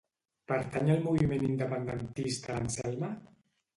Pertany al moviment independentista l'Anselma?